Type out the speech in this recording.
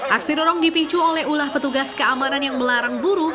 aksi dorong dipicu oleh ulah petugas keamanan yang melarang buruh